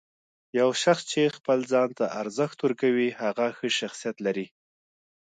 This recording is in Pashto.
یو شخص چې خپل ځان ته ارزښت ورکوي، هغه ښه شخصیت لري.